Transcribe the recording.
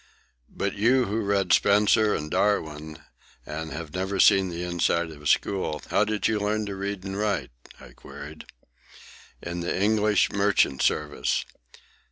"But you who read Spencer and Darwin and have never seen the inside of a school, how did you learn to read and write?" I queried. "In the English merchant service.